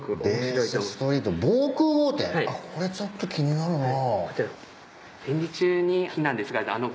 これちょっと気になるな。